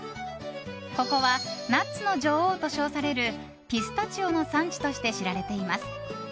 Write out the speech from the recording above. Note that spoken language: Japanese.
ここは、ナッツの女王と称されるピスタチオの産地として知られています。